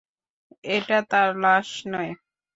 এটা তার লাশ নয়।